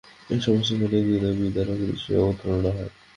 এ সময় সেখানে এক হৃদয়বিদারক দৃশ্যের অবতারণা হয়।